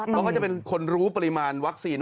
เขาก็จะเป็นคนรู้ปริมาณวัคซีน